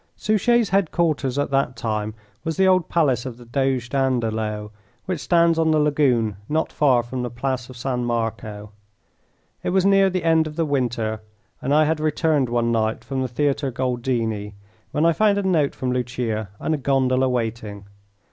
Suchet's head quarters at that time was the old palace of the Doge Dandolo, which stands on the lagoon not far from the place of San Marco. It was near the end of the winter, and I had returned one night from the Theatre Goldini, when I found a note from Lucia and a gondola waiting.